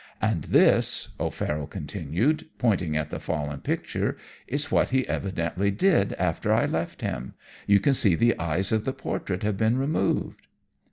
And this,' O'Farroll continued, pointing at the fallen picture, 'is what he evidently did after I left him. You can see the eyes of the portrait have been removed.'